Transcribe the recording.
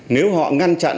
nếu họ ngăn chặn